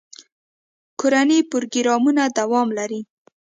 کورني پروګرامونه دوام لري.